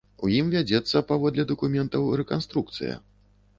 У ім вядзецца, паводле дакументаў, рэканструкцыя.